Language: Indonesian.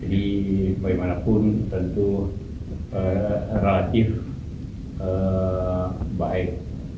jadi bagaimanapun tentu relatif baik